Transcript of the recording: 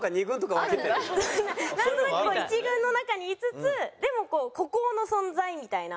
なんとなくこう一軍の中にいつつでもこう孤高の存在みたいな。